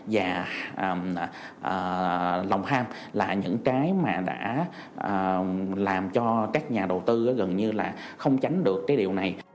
và lòng ham là những cái mà đã làm cho các nhà đầu tư gần như là không tránh được cái điều này